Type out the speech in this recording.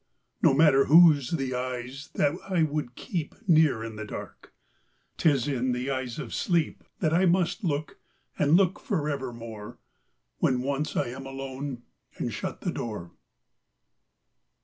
No matter whose the eyes that I would keepNear in the dark, ’tis in the eyes of SleepThat I must look and look forever more, When once I am alone, and shut the door.